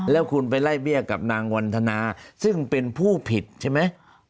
แล้วคุณไปไล่เบี้ยกับนางวันธนาซึ่งเป็นผู้ผิดใช่ไหม